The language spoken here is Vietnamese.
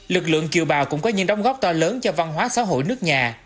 lực lượng kiều bào cũng có những đóng góp to lớn cho văn hóa xã hội nước nhà